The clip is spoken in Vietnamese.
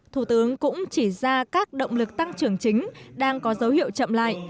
thủ tướng cũng chỉ ra các động lực tăng trưởng chính đang có dấu hiệu chậm lại